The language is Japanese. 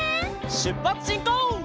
しゅっぱつしんこう！